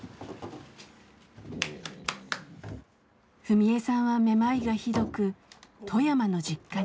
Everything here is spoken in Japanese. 史恵さんはめまいがひどく富山の実家に。